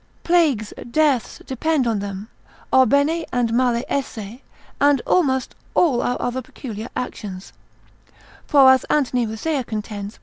plagues, dearths depend on them, our bene and male esse, and almost all our other peculiar actions, (for as Anthony Rusea contends, lib.